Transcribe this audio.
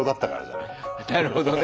なるほどね。